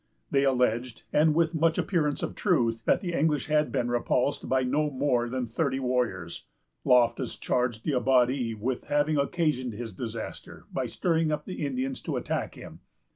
They alleged, and with much appearance of truth, that the English had been repulsed by no more than thirty warriors. Loftus charged D'Abbadie with having occasioned his disaster by stirring up the Indians to attack him.